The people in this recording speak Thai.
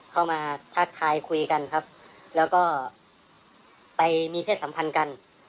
มาทักทายคุยกันครับแล้วก็ไปมีเพศสัมพันธ์กัน